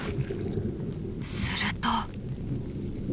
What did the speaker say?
すると。